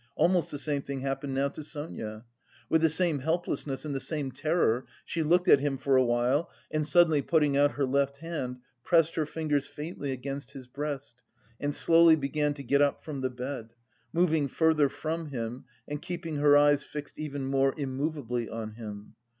Almost the same thing happened now to Sonia. With the same helplessness and the same terror, she looked at him for a while and, suddenly putting out her left hand, pressed her fingers faintly against his breast and slowly began to get up from the bed, moving further from him and keeping her eyes fixed even more immovably on him.